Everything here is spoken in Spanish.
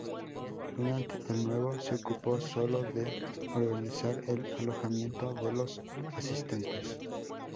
Dunant, de nuevo, se ocupó solo de organizar el alojamiento de los asistentes.